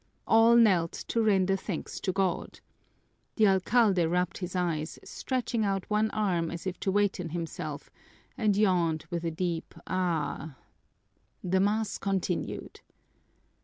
All knelt to render thanks to God. The alcalde rubbed his eyes, stretched out one arm as if to waken himself, and yawned with a deep aah. The mass continued.